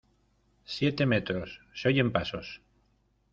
siete metros. se oyen pasos .